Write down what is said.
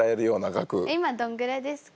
今どんぐらいですか？